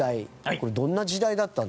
これどんな時代だったんでしょうか？